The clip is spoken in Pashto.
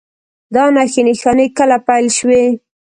دا نښې نښانې کله پیل شوي؟